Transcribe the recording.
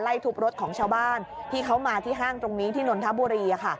ทุบรถของชาวบ้านที่เขามาที่ห้างตรงนี้ที่นนทบุรี